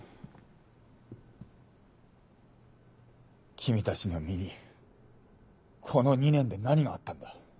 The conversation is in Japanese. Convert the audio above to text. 君たちの身にこの２年で何があったんだ？